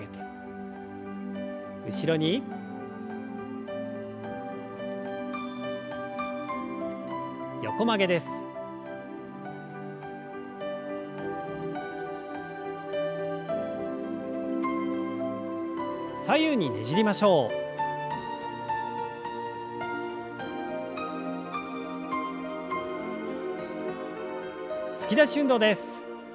突き出し運動です。